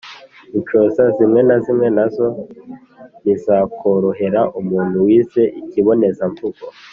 Inshoza zimwe na zimwe na zo ntizakorohera umuntu wize ikibonezamvugo.